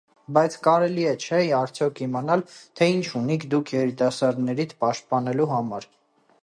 - Բայց կարելի չէ՞ արդյոք իմանալ, թե ի՞նչ ունիք դուք երիտասարդներիդ պաշտպանելու համար: